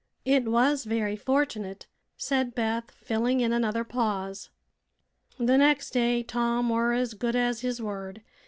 "It was very fortunate," said Beth, filling in another pause. "The nex' day Tom were as good as his word.